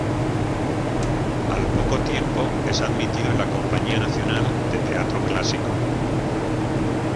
Al poco tiempo es admitido en la Compañía Nacional de Teatro Clásico.